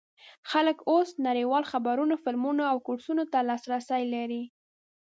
خلک اوس نړیوالو خبرونو، فلمونو او کورسونو ته لاسرسی لري.